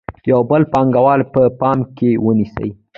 یو بل پانګوال په پام کې ونیسئ